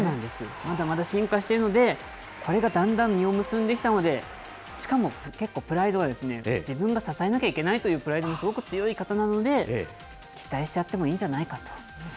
まだまだ進化しているので、これがだんだん実を結んできたので、しかも結構プライドが、自分が支えなきゃいけないというプライドもすごく強い方なので、期待しちゃってもいいんじゃないかと。